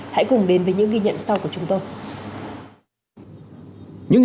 hãy cùng đến với những ghi nhận sau của chúng tôi